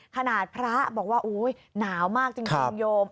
พระบอกว่าอุ๊ยหนาวมากจริงโยม